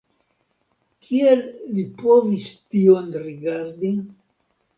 Kiel Li povis tion rigardi?!